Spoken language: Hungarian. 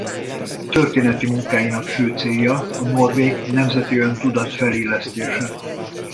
Történeti munkáinak fő célja a norvég nemzeti öntudat felélesztése.